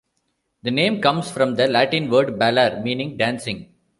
The name comes from the Latin word "ballare", meaning "dancing".